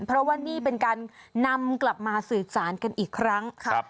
เพราะว่านี่เป็นการนำกลับมาสื่อสารกันอีกครั้งครับ